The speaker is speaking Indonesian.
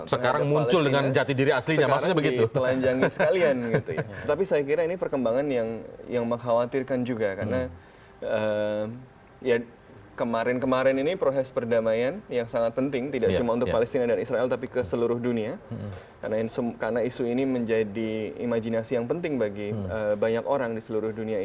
sekarang muncul dengan jati diri aslinya maksudnya begitu